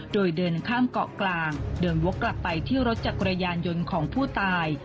โดยเดินข้ามเกาะกลางเดินวกกลับไปที่รถจักรยานยนต์ของผู้ตาย